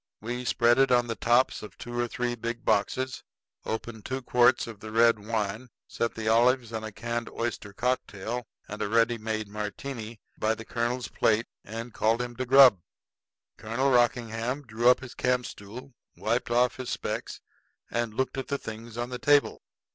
We spread it on the tops of two or three big boxes, opened two quarts of the red wine, set the olives and a canned oyster cocktail and a ready made Martini by the colonel's plate, and called him to grub. Colonel Rockingham drew up his campstool, wiped off his specs, and looked at the things on the table.